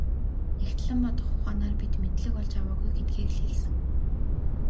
Нягтлан бодох ухаанаар бид мэдлэг олж аваагүй гэдгийг л хэлсэн.